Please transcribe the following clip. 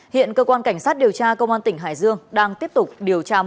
hiện cơ quan cảnh sát điều tra công an tỉnh hải dương đang tiếp tục điều tra mở rộng